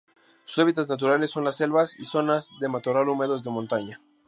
Su hábitats naturales son las selvas y zonas de matorral húmedos de montaña.